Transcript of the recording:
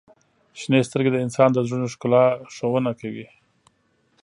• شنې سترګې د انسان د زړونو ښکلا ښودنه کوي.